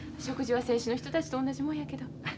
食事は選手の人たちと同じもんやけど。